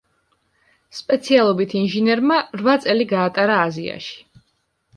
სპეციალობით ინჟინერმა რვა წელი გაატარა აზიაში.